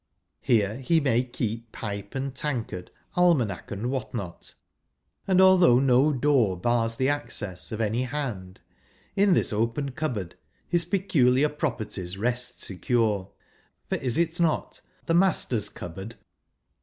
Here he may keep pipe and tankard, almanac, and what not ; and although no door bars the access of any hand, in this open cupboard his peculiar properties rest secure, for is it not " the master's cupboard